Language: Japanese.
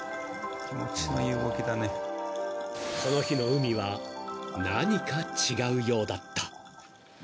［この日の海は何か違うようだった］